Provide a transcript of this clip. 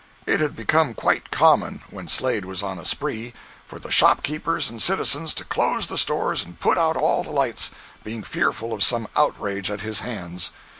It had become quite common, when Slade was on a spree, for the shop keepers and citizens to close the stores and put out all the lights; being fearful of some outrage at his hands.